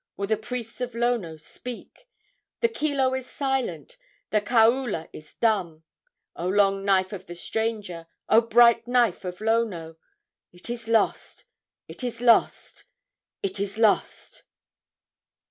Will the priests of Lono speak? The kilo is silent, the kaula is dumb. O long knife of the stranger, O bright knife of Lono, It is lost, it is lost, it is lost!"